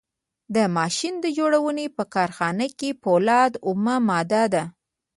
د ماشین جوړونې په کارخانه کې فولاد اومه ماده ده.